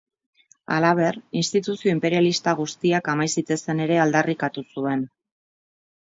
Halaber, instituzio inperialista guztiak amai zitezen ere aldarrikatu zuen.